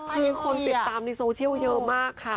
คือคนติดตามในโซเชียลเยอะมากค่ะ